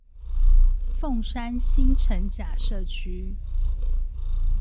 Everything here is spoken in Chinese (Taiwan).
鳳山新城甲社區